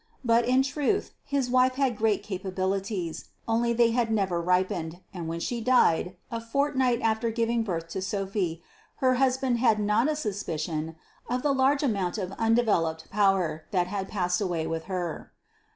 But in truth his wife had great capabilities, only they had never ripened, and when she died, a fortnight after giving birth to Sophy, her husband had not a suspicion of the large amount of undeveloped power that had passed away with her.